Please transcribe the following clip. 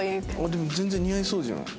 でも全然似合いそうじゃない？